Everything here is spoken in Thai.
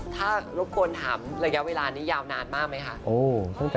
ถ้ารบกวนถามระยะเวลานี้ยาวนานมากไหมคะ